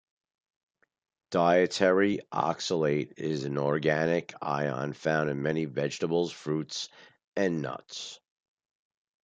Dietary oxalate is an organic ion found in many vegetables, fruits, and nuts.